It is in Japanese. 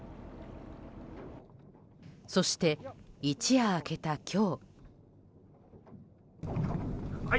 そして、一夜明けた今日。